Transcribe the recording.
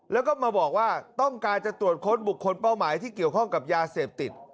แล้วก็มาบอกว่าต้องการจะตรวจค้นบุคคลเป้าหมายที่เกี่ยวข้องกับยาเสพติด